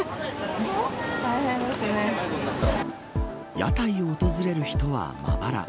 屋台を訪れる人はまばら。